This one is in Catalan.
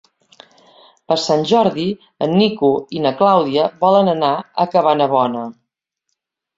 Per Sant Jordi en Nico i na Clàudia volen anar a Cabanabona.